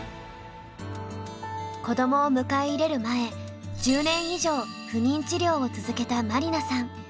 子どもを迎え入れる前１０年以上不妊治療を続けた麻里奈さん。